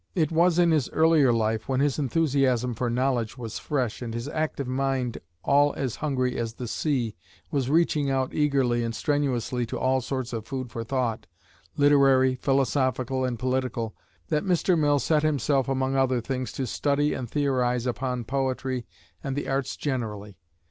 It was in his earlier life, when his enthusiasm for knowledge was fresh, and his active mind, "all as hungry as the sea," was reaching out eagerly and strenuously to all sorts of food for thought, literary, philosophical, and political, that Mr. Mill set himself, among other things, to study and theorize upon poetry and the arts generally.